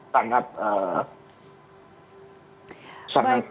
sangat kemungkinan lemah